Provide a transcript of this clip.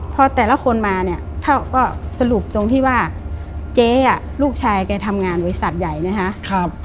พอแต่ละคนมาเนี่ยเท่าก็สรุปตรงที่ว่าเจ๊ลูกชายแกทำงานบริษัทใหญ่นะฮะ